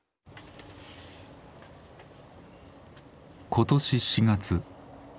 今年４月。